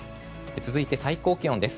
続いて、最高気温です。